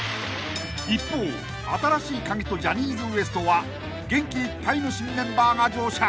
［一方新しいカギとジャニーズＷＥＳＴは元気いっぱいの新メンバーが乗車］